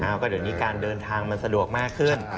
ก็เดี๋ยวนี้การเดินทางมันสะดวกมากขึ้น